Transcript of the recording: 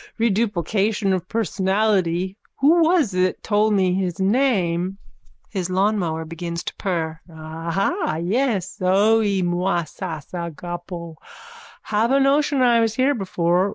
Reduplication of personality. Who was it told me his name? (His lawnmower begins to purr.) Aha, yes. Zoe mou sas agapo. Have a notion I was here before.